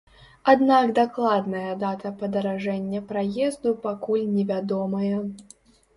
Аднак дакладная дата падаражэння праезду пакуль невядомая.